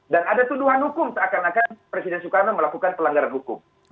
dan ada tuduhan hukum seakan akan presiden soekarno melakukan pelanggaran hukum